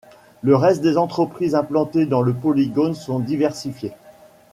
Le reste des entreprises implantées dans le polygone sont diversifiées.